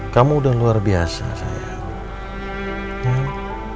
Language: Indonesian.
kamu udah luar biasa saya